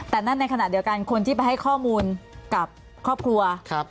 แต่นั่นในขณะเดียวกันคนที่ไปให้ข้อมูลกับครอบครัว